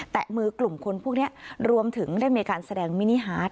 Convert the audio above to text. แต่มือกลุ่มคนพวกนี้รวมถึงได้มีการแสดงมินิฮาร์ด